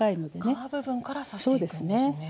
皮部分から刺していくんですね。